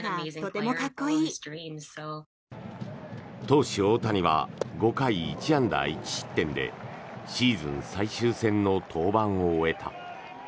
投手・大谷は５回１安打１失点でシーズン最終戦の登板を終えた。